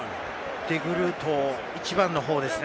デグルート、１番のほうですね。